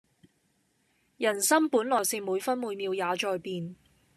人心本來就是每分每秒也在變